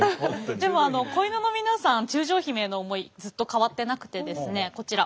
でも恋野の皆さん中将姫への思いずっと変わってなくてですねこちら。